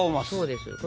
そうです。